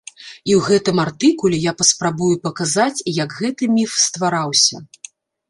І ў гэтым артыкуле я паспрабую паказаць, як гэты міф ствараўся.